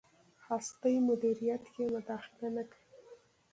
هستۍ مدیریت کې مداخله نه کوي.